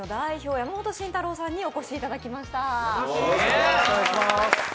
山本真太郎さんにお越しいただきました。